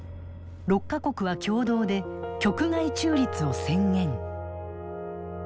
６か国は共同で局外中立を宣言。